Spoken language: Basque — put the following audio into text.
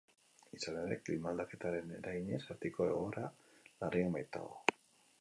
Izan ere, Klima aldaketaren eraginez Artikoa egoera larrian baitago.